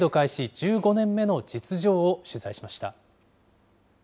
１５年目の実情を取材しました。